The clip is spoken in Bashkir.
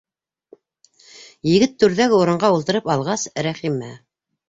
Егет түрҙәге урынға ултырып алғас, Рәхимә: